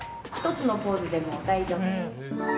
１つのポーズでも大丈夫です。